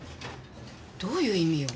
どういう意味よ？